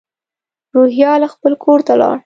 روهیال خپل کور ته لاړ.